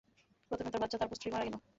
প্রথমে তার বাচ্চা, তারপর স্ত্রী মারা গেল।